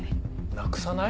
なくさない？